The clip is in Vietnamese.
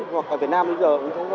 hoặc ở việt nam bây giờ